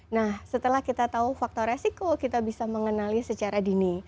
nah setelah kita tahu faktor resiko kita bisa mengenali secara dini